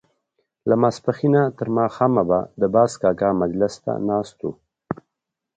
له ماسپښينه تر ماښامه به د باز کاکا مجلس ته ناست وو.